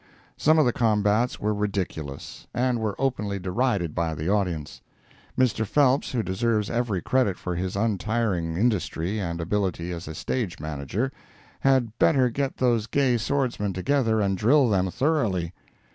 Some of the combats were ridiculous, and were openly derided by the audience. Mr. Phelps, who deserves every credit for his untiring industry and ability as a stage manager, had better get those gay swordsmen together and drill them thoroughly.